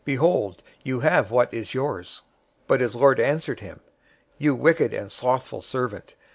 Behold, you have what is yours.' 025:026 "But his lord answered him, 'You wicked and slothful servant.